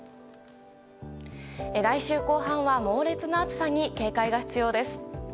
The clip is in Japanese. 来週後半は猛烈な暑さに警戒が必要です。